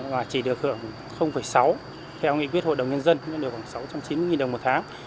mà chỉ được hưởng sáu theo nghị quyết hội đồng nhân dân cũng được hưởng sáu trăm chín mươi đồng một tháng